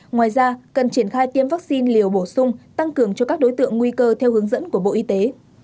ngoài ra cần triển khai tiêm vaccine liều bổ sung tăng cường cho các đối tượng nguy cơ theo hướng dẫn của bộ y tế